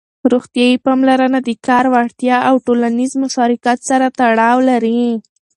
روغتيايي پاملرنه د کار وړتيا او ټولنيز مشارکت سره تړاو لري.